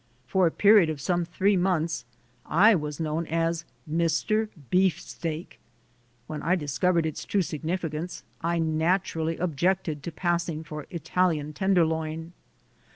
For a period of some three months I was known as "Mr. Beefsteak." When I discovered its true significance, I naturally objected to passing for Italian tenderloin.